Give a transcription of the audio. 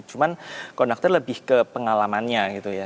cuman konduktor lebih ke pengalamannya gitu ya